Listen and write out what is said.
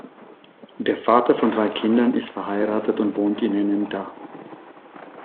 Der Vater von drei Kindern ist verheiratet und wohnt in Ennenda.